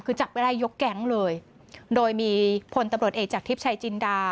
คือจับไม่ได้ยกแก๊งเลยโดยมีพลตำรวจเอกจากทิพย์ชายจินดา